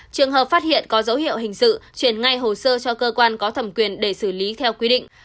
trường hợp phát hiện có dấu hiệu hình sự chuyển ngay hồ sơ cho cơ quan có thẩm quyền để xử lý theo quy định